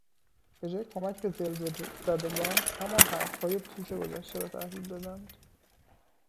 به جای کمک به زلزلهزدگان همان حرفهای پوچ گذشته را تحویل دادند.